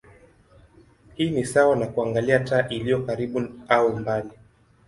Hii ni sawa na kuangalia taa iliyo karibu au mbali.